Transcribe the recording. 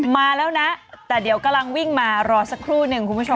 มาแล้วนะแต่เดี๋ยวกำลังวิ่งมารอสักครู่หนึ่งคุณผู้ชม